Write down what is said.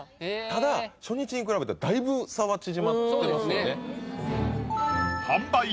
ただ初日に比べたらだいぶ差は縮まってますよね